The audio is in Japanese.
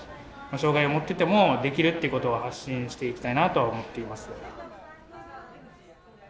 障害を持っていてもできるということを発信していきたいなとは思っています。